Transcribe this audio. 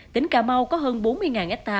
tỉnh cà mau có hơn bốn mươi ha